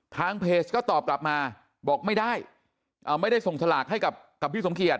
ทางเพจก็ตอบกลับมาบอกไม่ได้ไม่ได้ส่งสลากให้กับพี่สมเกียจ